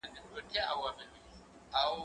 زه به سبا پلان جوړوم وم،